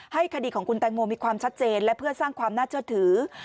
คดีของคุณแตงโมมีความชัดเจนและเพื่อสร้างความน่าเชื่อถือ